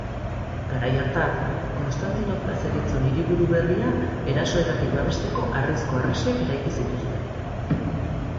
Garai hartan Konstantinopla zeritzon hiriburu berria erasoetatik babesteko harrizko harresiak eraiki zituzten.